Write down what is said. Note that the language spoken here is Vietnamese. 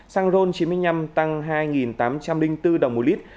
xăng ron chín mươi năm tăng hai tám trăm linh bốn đồng một lít